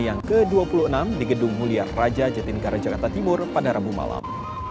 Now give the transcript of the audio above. yang ke dua puluh enam di gedung mulia raja jatinegara jakarta timur pada rabu malam